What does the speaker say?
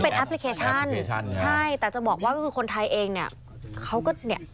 เป็นแอปพลิเคชันใช่แต่จะบอกว่าคือคนไทยเองเนี่ย